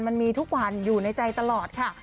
มันมีทุกวันอยู่ในใจตลอดค่ะ